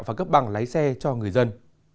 và cấp bằng lái xe cho người dân